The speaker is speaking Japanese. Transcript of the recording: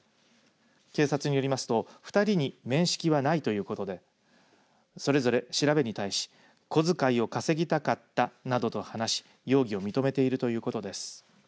警察によりますと２人に面識はないということでそれぞれ調べに対し小遣いを稼ぎたかったなどと話し容疑を認めているということです。